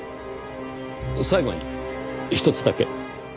最後にひとつだけ。